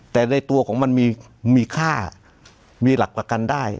แต่ในตัวของมันมีค่ามีหลักประกันได้